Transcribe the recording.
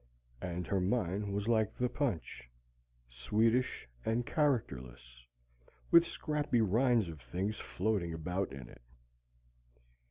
And her mind was like the punch: sweetish and characterless, with scrappy rinds of things floating about in it.